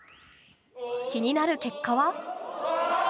気になる結果は。